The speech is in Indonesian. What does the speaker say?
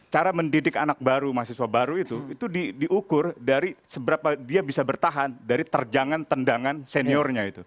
cara mendidik anak baru mahasiswa baru itu itu diukur dari seberapa dia bisa bertahan dari terjangan tendangan seniornya itu